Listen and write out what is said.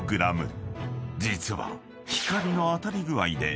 ［実は］